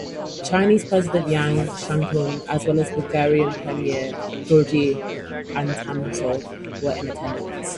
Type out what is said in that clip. Chinese President Yang Shangkun as well as Bulgarian Premier Georgi Atanasov were in attendance.